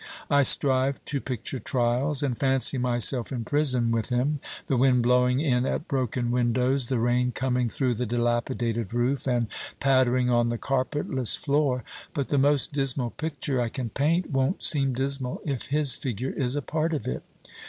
I strive to picture trials, and fancy myself in prison with him, the wind blowing in at broken windows, the rain coming through the dilapidated roof and pattering on the carpetless floor; but the most dismal picture I can paint won't seem dismal if his figure is a part of it.